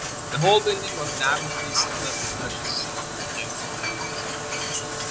The whole building was lavishly studded with precious stones, gems and jewels of many hues.